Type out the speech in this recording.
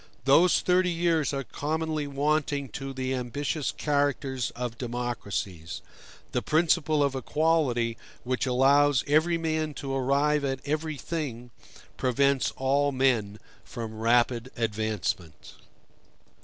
Those thirty years are commonly wanting to the ambitious characters of democracies. The principle of equality, which allows every man to arrive at everything, prevents all men from rapid advancement.